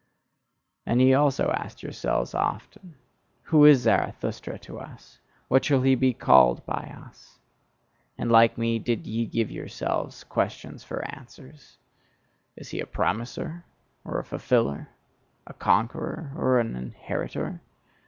And ye also asked yourselves often: "Who is Zarathustra to us? What shall he be called by us?" And like me, did ye give yourselves questions for answers. Is he a promiser? Or a fulfiller? A conqueror? Or an inheritor?